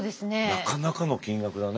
なかなかの金額だね。